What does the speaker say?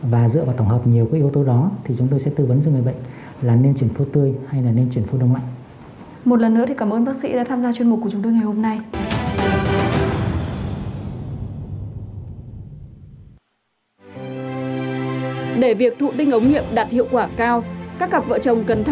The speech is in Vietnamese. và dựa vào tổng hợp nhiều yếu tố đó thì chúng tôi sẽ tư vấn cho người bệnh là nên chuyển phôi tư hay là nên chuyển phôi đông mạnh